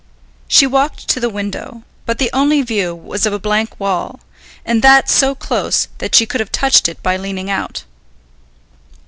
She walked to the window, but the only view was of a blank wall, and that so close that she could have touched it by leaning out.